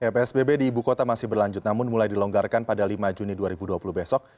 psbb di ibu kota masih berlanjut namun mulai dilonggarkan pada lima juni dua ribu dua puluh besok